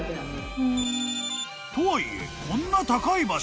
［とはいえこんな高い場所］